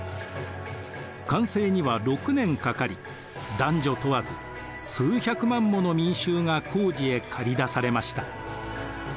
完成には６年かかり男女問わず数百万もの民衆が工事へかり出されました。